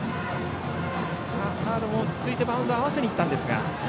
サードも落ち着いてバウンドを合わせにいったんですが。